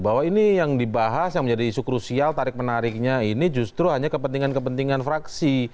bahwa ini yang dibahas yang menjadi isu krusial tarik menariknya ini justru hanya kepentingan kepentingan fraksi